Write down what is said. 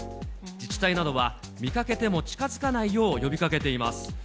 自治体などは見かけても近づかないよう呼びかけています。